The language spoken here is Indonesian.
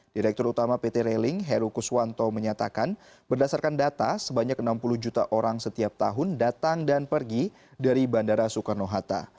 direktur utama pt railing heru kuswanto menyatakan berdasarkan data sebanyak enam puluh juta orang setiap tahun datang dan pergi dari bandara soekarno hatta